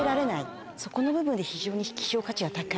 そこの部分で非常に希少価値が高い。